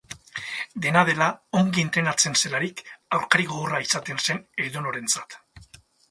Dena dela, ongi entrenatzen zelarik, aurkari gogorra izaten zen edonorentzat.